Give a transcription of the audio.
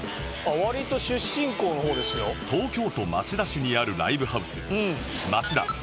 東京都町田市にあるライブハウス